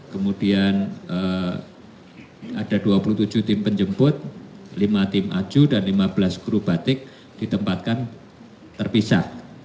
kemudian ada dua puluh tujuh tim penjemput lima tim aju dan lima belas kru batik ditempatkan terpisah